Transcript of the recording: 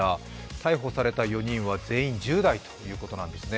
逮捕された４人は全員１０代ということなんですね。